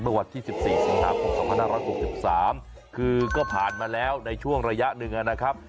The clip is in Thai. เมื่อวันที่๑๔สิงหาปุ่นคัมพนาฬรัฐ๖๓คือก็ผ่านมาแล้วในช่วงระยะหนึ่งนะครับ